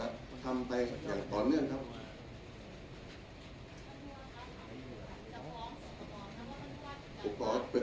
ไม่มีการโดมัติกแต่มันผมไม่ถือว่าเป็นการโดมัติกต่อภักดิ์